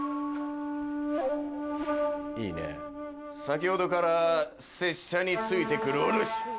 先ほどから拙者について来るお主。